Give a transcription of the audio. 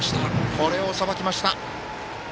これをさばきました。